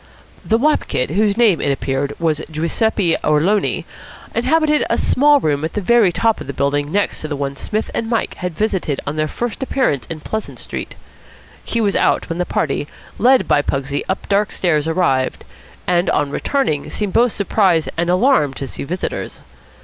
The wop kid, whose name, it appeared, was Giuseppe Orloni, inhabited a small room at the very top of the building next to the one Psmith and Mike had visited on their first appearance in Pleasant Street. He was out when the party, led by Pugsy up dark stairs, arrived; and, on returning, seemed both surprised and alarmed to see visitors.